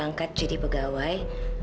terangkat jadi pegawai